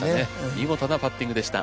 見事なパッティングでした。